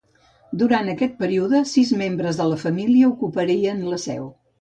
Durant aquest període, sis membres de la família ocuparien la seu.